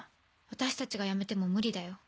私たちがやめても無理だよ。